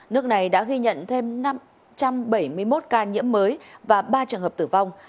nước này đã ghi nhận thêm năm trăm bảy mươi một ca nhiễm mới và ba trường hợp tử vong